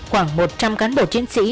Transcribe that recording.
khoảng một trăm linh cán bộ chiến sĩ